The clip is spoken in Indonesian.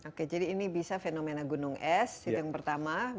oke jadi ini bisa fenomena gunung es itu yang pertama